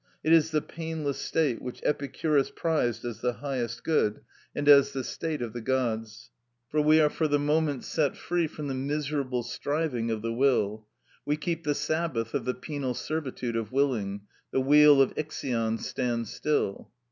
It is the painless state which Epicurus prized as the highest good and as the state of the gods; for we are for the moment set free from the miserable striving of the will; we keep the Sabbath of the penal servitude of willing; the wheel of Ixion stands still.